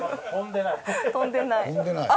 飛んでない。